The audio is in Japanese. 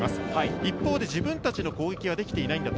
一方で自分たちの攻撃ができていないんだと。